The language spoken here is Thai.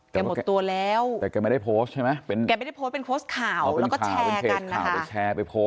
แกหมดตัวแล้วแต่แกไม่ได้โพสต์ใช่ไหมแกไม่ได้โพสต์เป็นโพสต์ข่าวแล้วก็แชร์กันนะคะ